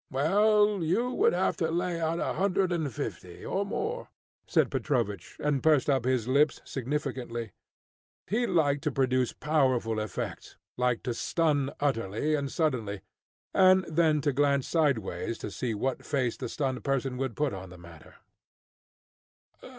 "Well, you would have to lay out a hundred and fifty or more," said Petrovich, and pursed up his lips significantly. He liked to produce powerful effects, liked to stun utterly and suddenly, and then to glance sideways to see what face the stunned person would put on the matter.